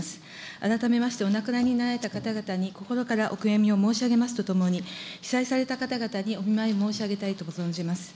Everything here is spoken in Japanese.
改めまして、お亡くなりになられた方々に心からお悔やみを申し上げますとともに、被災された方々にお見舞い申し上げたいと存じます。